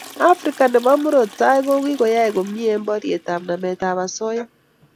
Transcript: afrika nebo murot tai kokikoyai komie eng borietap nametab osoya